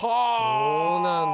そうなんだ。